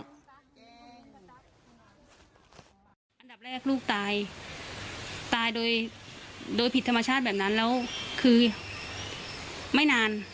อันดับแรกลูกตายตายโดยผิดธรรมชาติแบบนั้นแล้วคือไม่นาน